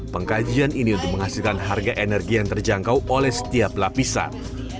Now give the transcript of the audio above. pengkajian ini untuk menghasilkan harga energi yang terjangkau oleh setiap lapisan